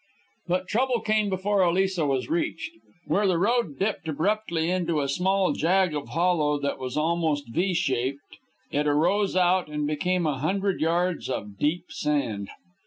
But trouble came before Aliso was reached. Where the road dipped abruptly into a small jag of hollow that was almost V shaped, it arose out and became a hundred yards of deep sand.